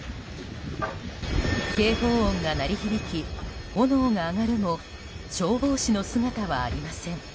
警報音が鳴り響き、炎が上がるも消防士の姿はありません。